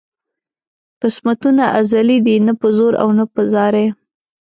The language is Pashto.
قسمتونه ازلي دي نه په زور او نه په زارۍ.